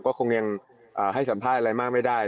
ก็คงยังให้สัมภาษณ์อะไรมากไม่ได้